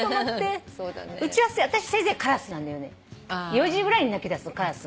４時ぐらいに鳴きだすカラス。